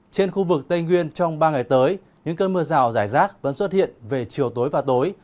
trên khu vực tây nguyên trong ba ngày tới những cơn mưa rào rải rác vẫn xuất hiện về chiều tối và tối